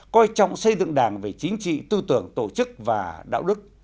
coi trọng xây dựng đảng về chính trị tư tưởng tổ chức và đạo đức